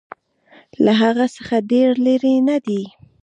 له هغه څخه ډېر لیري نه دی.